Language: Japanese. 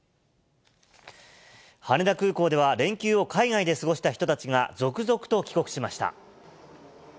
羽田空港では連休を海外で過ごした人たちが続々と帰国しました。